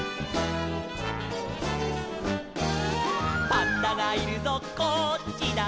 「パンダがいるぞこっちだ」